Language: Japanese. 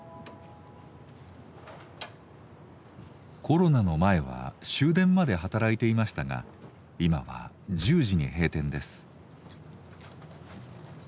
コロナの前は終電まで働いていましたが今は１０時に閉店です。